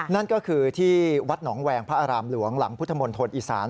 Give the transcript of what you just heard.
นั่นก็คือที่วัดหนองแวงพระอารามหลวงหลังพุทธมณฑลอีสาน